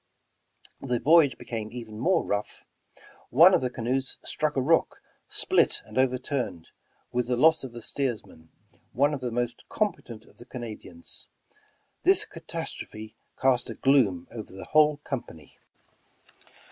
The voyage became even more rough. One of the canoes struck a rock, split and overturned, with the loss of the steersman, one of the most competent of the Canadians. This catastrophe cast a gloom over the whole company.